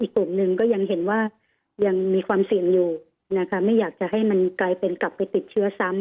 กลุ่มหนึ่งก็ยังเห็นว่ายังมีความเสี่ยงอยู่นะคะไม่อยากจะให้มันกลายเป็นกลับไปติดเชื้อซ้ำ